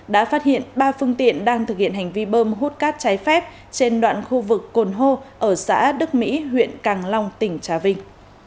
đã phát hiện ba phương tiện đang thực hiện hành vi bơm hút cát trái phép trên đoạn khu vực cồn hô ở xã đức mỹ huyện càng long tỉnh trà vinh